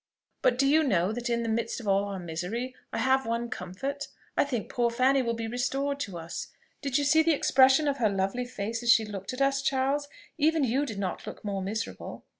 But do you know that in the midst of all our misery, I have one comfort, I think poor Fanny will be restored to us. Did you see the expression of her lovely face as she looked at us, Charles? Even you did not look more miserable."